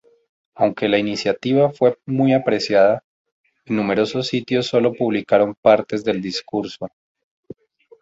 Aunque la iniciativa fue muy apreciada, en numerosos sitios solo publicaron partes del discurso.